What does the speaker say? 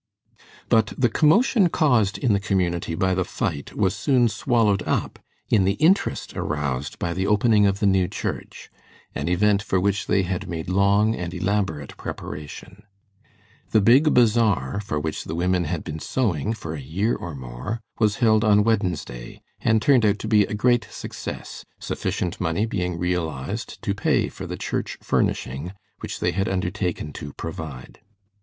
But the commotion caused in the community by the fight was soon swallowed up in the interest aroused by the opening of the new church, an event for which they had made long and elaborate preparation. The big bazaar, for which the women had been sewing for a year or more, was held on Wednesday, and turned out to be a great success, sufficient money being realized to pay for the church furnishing, which they had undertaken to provide.